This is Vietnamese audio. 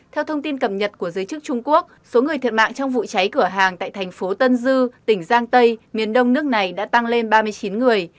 theo thông tin cập nhật của giới chức trung quốc số người thiệt mạng trong vụ cháy cửa hàng tại thành phố tân dư tỉnh giang tây miền đông nước này đã tăng lên ba mươi chín người